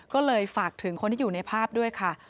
ก็เลยฝากถึงคนที่อยู่ในภาพด้วยค่ะ